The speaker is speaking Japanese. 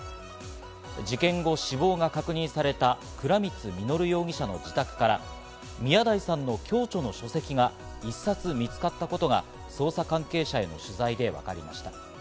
事件後、死亡が確認された倉光実容疑者の自宅から、宮台さんの共著の書籍が１冊見つかったことが捜査関係者への取材でわかりました。